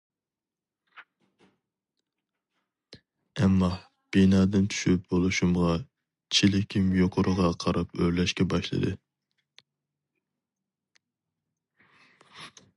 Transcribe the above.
ئەمما، بىنادىن چۈشۈپ بولۇشۇمغا چېلىكىم يۇقىرىغا قاراپ ئۆرلەشكە باشلىدى.